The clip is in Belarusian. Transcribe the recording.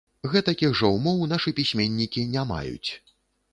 Гэтакіх жа ўмоў нашы пісьменнікі не маюць.